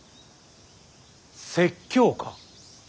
説教か。